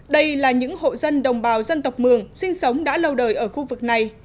đây là những hộ dân đồng bào dân tộc mường sinh sống đã lâu đời ở khu vực này